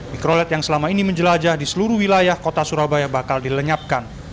mikrolet yang selama ini menjelajah di seluruh wilayah kota surabaya bakal dilenyapkan